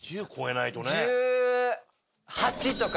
１８とか。